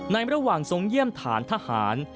ในระหว่างทรงเยี่ยมฐานทหาร